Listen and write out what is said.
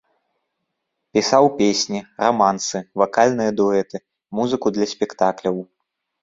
Пісаў песні, рамансы, вакальныя дуэты, музыку для спектакляў.